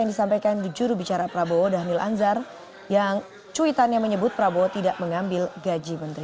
yang disampaikan jurubicara prabowo dhanil anzar yang cuitannya menyebut prabowo tidak mengambil gaji menteri